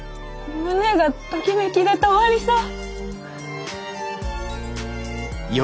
胸がときめきで止まりそう！